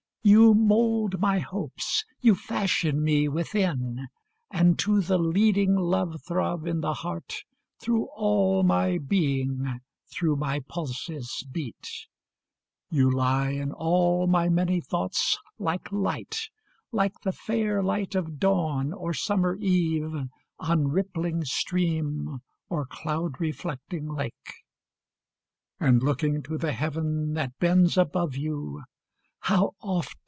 commune } 1807. Now first published from an MS. 26 You mould my Hopes you fashion me within: And to the leading love throb in the heart, Through all my being, through my pulses beat; You lie in all my many thoughts like Light, Like the fair light of Dawn, or summer Eve, On rippling stream, or cloud reflecting lake; And looking to the Heaven that bends above you, How oft!